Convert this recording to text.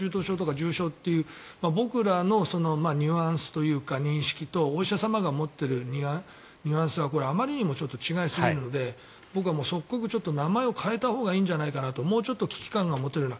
重症っていう僕らのニュアンスというか認識とお医者様が持っているニュアンスはこれはあまりに違いすぎるので僕は即刻名前を変えたほうがいいんじゃないかなともうちょっと危機感が持てるような。